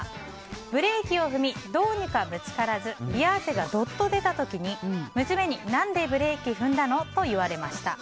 ブレーキを踏みどうにかぶつからず冷汗がどっと出た時に娘に何でブレーキ踏んだの？と言われました。